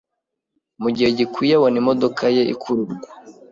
mugihe gikwiye abona imodoka ye ikururwa.